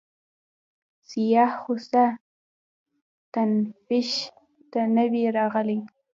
سیاح خو څه تفتیش ته نه وي راغلی.